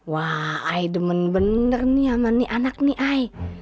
wah ayah demen bener nih sama anak ini ayah